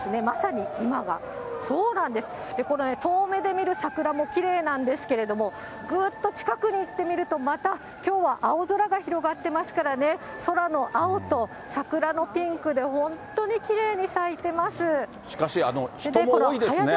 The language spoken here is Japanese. まさに今が、そうなんです、これ、遠目で見る桜もきれいなんですけれども、ぐっと近くに行ってみると、また、きょうは青空が広がってますからね、空の青と桜のピンクで、しかし、人も多いですね。